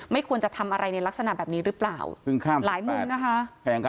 ควรจะทำอะไรในลักษณะแบบนี้หรือเปล่าหลายมุมนะคะ